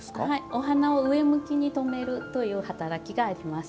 お花を上向きに留めるという働きがあります。